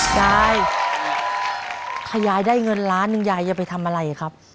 ยายถ้ายายได้เงินล้านหนึ่งยายจะไปทำอะไรครับ